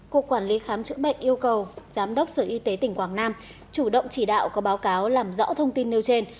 cục quản lý khám chữa bệnh yêu cầu giám đốc sở y tế tỉnh quảng nam chủ động chỉ đạo có báo cáo làm rõ thông tin nêu trên